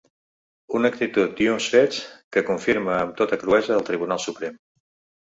Una actitud i uns fets que confirma amb tota cruesa el Tribunal Suprem.